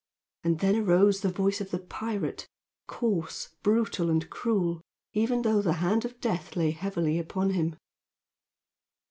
And then arose the voice of the pirate, coarse, brutal and cruel, even though the hand of death lay heavily upon him.